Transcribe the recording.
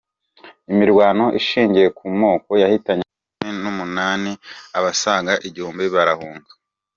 Imirwano ishingiye ku moko yahitanye cumi numunani, abasaga igihumbi barahunga